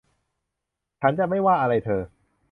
ฉันจะไม่ว่าอะไรเธอ